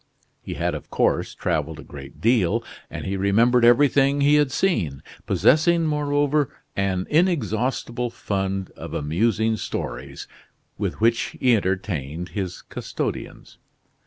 He had, of course, traveled a great deal; and he remembered everything he had seen; possessing, moreover, an inexhaustible fund of amusing stories, with which he entertained his custodians.